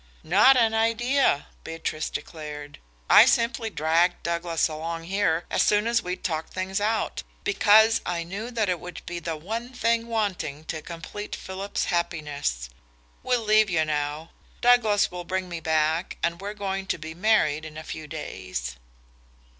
"Not an idea," Beatrice declared. "I simply dragged Douglas along here, as soon as we'd talked things out, because I knew that it would be the one thing wanting to complete Philip's happiness. We'll leave you now. Douglas will bring me back, and we are going to be married in a few days."